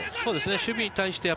守備に対して。